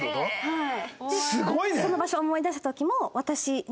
はい。